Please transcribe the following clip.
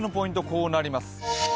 こうなります。